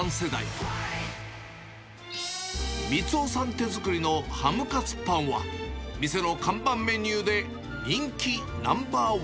手作りのハムカツパンは、店の看板メニューで人気ナンバー１。